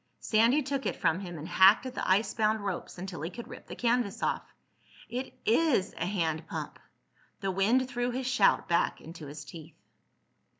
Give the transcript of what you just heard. Sandy took it from him and hacked at the icebound ropes until he could rip the canvas off. "It is a hand pump!" The wind threw his shout back into his teeth.